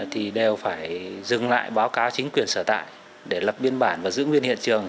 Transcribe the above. thì đều phải dừng lại báo cáo chính quyền sở tại để lập biên bản và giữ nguyên hiện trường